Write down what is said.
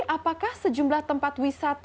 apakah sejumlah tempat wni yang terkenal di tiongkok